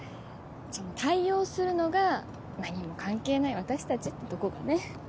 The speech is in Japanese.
その対応をするのが何も関係ない私たちってとこがね。